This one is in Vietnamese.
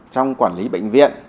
trong quản lý bệnh viện